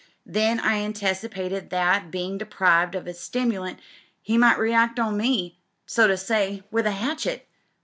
Then I anticipated that, bein' deprived of 'is stimulant, he might react on me, so to say, with a hatchet.